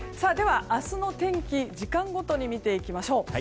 明日の天気時間ごとに見ていきましょう。